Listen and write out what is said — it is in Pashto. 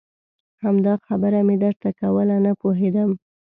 همدا خبره مې درته کوله نه پوهېدم.